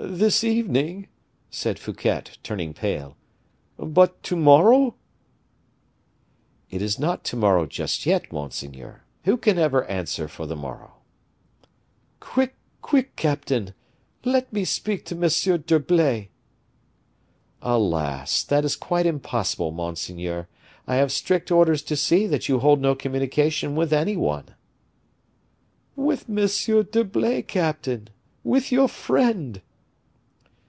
"This evening!" said Fouquet, turning pale, "but to morrow?" "It is not to morrow just yet, monseigneur. Who can ever answer for the morrow?" "Quick, quick, captain! let me speak to M. d'Herblay." "Alas! that is quite impossible, monseigneur. I have strict orders to see that you hold no communication with any one." "With M. d'Herblay, captain with your friend!"